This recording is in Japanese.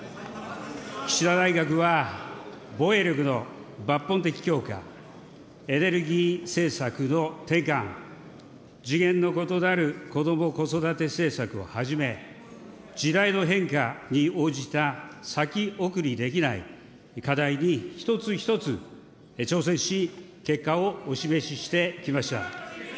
岸田内閣は、防衛力の抜本的強化、エネルギー政策の転換、次元の異なるこども・子育て政策をはじめ、時代の変化に応じた先送りできない課題に一つ一つ挑戦し、結果をお示ししてきました。